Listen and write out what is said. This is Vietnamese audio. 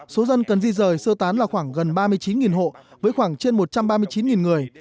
số dân cần di rời sơ tán là khoảng gần ba mươi chín hộ với khoảng trên một trăm ba mươi chín người